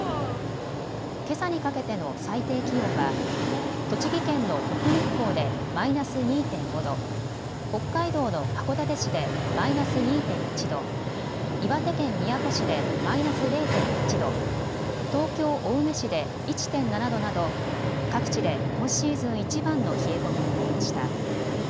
けさにかけての最低気温は栃木県の奥日光でマイナス２．５度、北海道の函館市でマイナス２．１度、岩手県宮古市でマイナス０．８度、東京青梅市で１．７度など各地で今シーズンいちばんの冷え込みになりました。